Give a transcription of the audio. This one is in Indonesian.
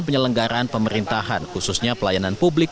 penyelenggaraan pemerintahan khususnya pelayanan publik